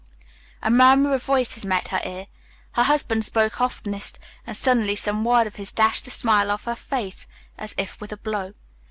A murmur of voices met her ear. Her husband spoke oftenest, and suddenly some word of his dashed the smile from her face as if with a blow.